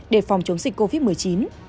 để phòng chống dịch covid một mươi chín